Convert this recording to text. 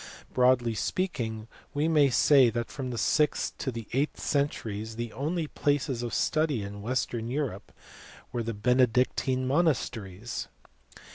Broadly speaking we may say that from the sixth to the eighth centuries the only places of study in western Europe were the Benedictine monasteries.